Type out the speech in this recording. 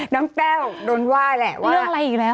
น้องแก้วโดนว่าแล้วว่าเรื่องอะไรอีกแล้ว